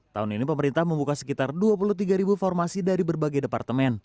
tahun ini pemerintah membuka sekitar dua puluh tiga formasi dari berbagai departemen